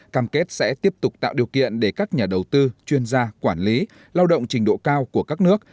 cam kết sẽ tiếp tục tạo điều kiện để các nhà đầu tư chuyên gia quản lý lao động trình độ cao của các nước